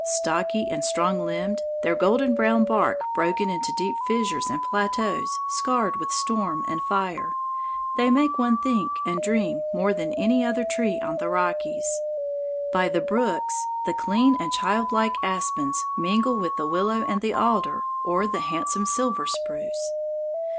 Stocky and strong limbed, their golden brown bark broken into deep fissures and plateaus, scarred with storm and fire, they make one think and dream more than any other tree on the Rockies. By the brooks the clean and childlike aspens mingle with the willow and the alder or the handsome silver spruce.